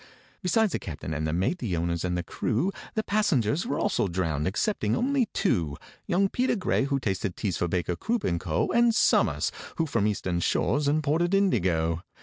Besides the captain and the mate, the owners and the crew, The passengers were also drowned excepting only two: Young PETER GRAY, who tasted teas for BAKER, CROOP, AND CO., And SOMERS, who from Eastern shores imported indigo.